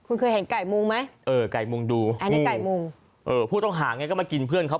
คุณเคยเห็นไก่มุงไหมแน็ตรีกล้าพูดตังหามากินเพื่อนเขา